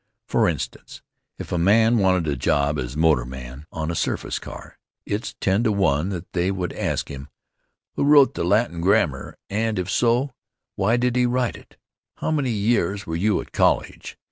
For instance, if a man wanted a job as motorman on a surface car, it's ten to one that they would ask him: "Who wrote the Latin grammar, and, if so, why did he write it? How many years were you at college?